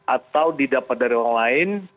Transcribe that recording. atau didapat dari orang lain